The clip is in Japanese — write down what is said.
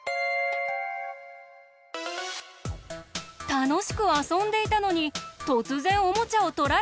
たのしくあそんでいたのにとつぜんおもちゃをとられちゃった。